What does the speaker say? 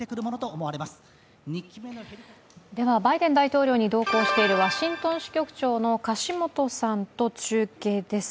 ではバイデン大統領に同行しているワシントン支局長の樫元さんと中継です。